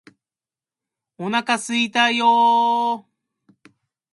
お腹すいたよーー